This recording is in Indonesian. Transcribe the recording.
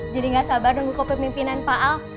jadi nggak sabar nunggu kopi pemimpinan pak al